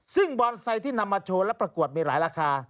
ซึ่งบอนไซค์ที่นำมาโชว์และประกวดมีหลายราคา